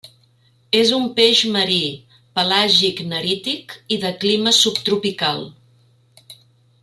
És un peix marí, pelàgic-nerític i de clima subtropical.